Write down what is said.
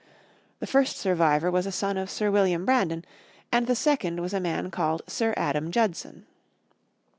The first survivor was a son of Sir William Brandon, and the second was a man called Sir Adam Judson.